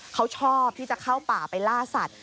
เขาชอบที่จะเข้าป่าไปล่าสัตว